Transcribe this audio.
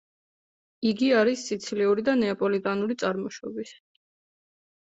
იგი არის სიცილიური და ნეაპოლიტანური წარმოშობის.